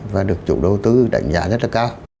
và được chủ đầu tư đánh giá rất là cao